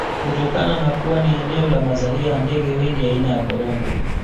Kutokana na kuwa ni eneo la mazalia ya ndege wengi aina ya Korongo